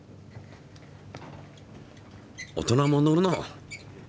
大人も乗るの？